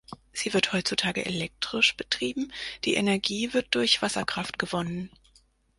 Sie wird heutzutage elektrisch betrieben, die Energie wird durch Wasserkraft gewonnen.